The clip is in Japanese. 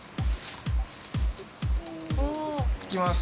いきます。